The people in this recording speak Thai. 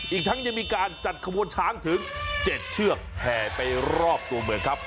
อีกทั้งยังมีการจัดขบวนช้างถึง๗เชือกแห่ไปรอบตัวเมืองครับ